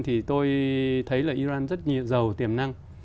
thì tôi thấy là iran rất giàu tiềm năng